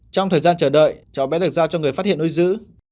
trong thời gian chờ đợi chó bé được giao cho người phát hiện nuôi dữ